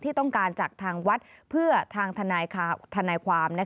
ต้องการจากทางวัดเพื่อทางทนายความ